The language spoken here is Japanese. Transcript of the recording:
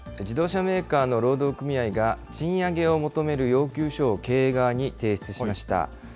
自動車メーカーの労働組合が、賃上げを求める要求書を経営側に提出しました。